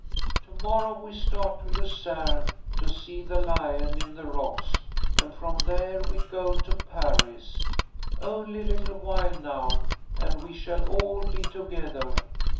"To morrow we start to Lucerne to see the Lion in the rocks, and from there we go to Paris. Only a little while now, and we shall all be together.